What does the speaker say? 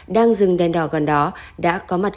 đang dừng đèn đỏ gần đó đã có mặt